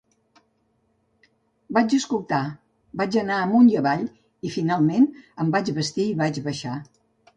Vaig escoltar, vaig anar amunt i avall i, finalment, em vaig vestir i vaig baixar.